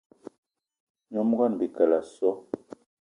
Nyom ngón Bikele o so!